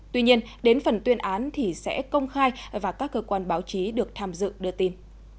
tuy nhiên đến phần tuyên án thì sẽ công khai và các cơ quan báo chí được tham dự đưa tin